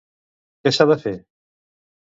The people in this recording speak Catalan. Què s'ha de fer?